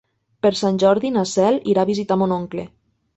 Per Sant Jordi na Cel irà a visitar mon oncle.